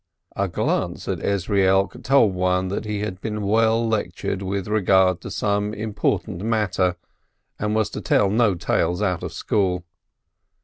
A glance at Ezrielk told one that he had been well lectured with regard to some important matter, and was to tell no tales out of school.